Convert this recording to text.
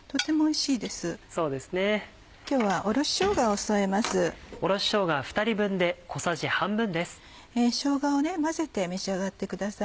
しょうがを混ぜて召し上がってください。